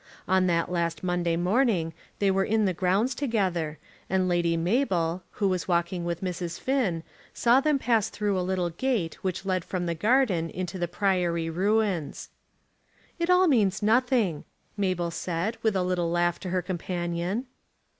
On that last Monday morning they were in the grounds together, and Lady Mabel, who was walking with Mrs. Finn, saw them pass through a little gate which led from the gardens into the Priory ruins. "It all means nothing," Mabel said with a little laugh to her companion.